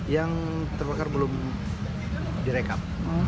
yang terbakar belum direkap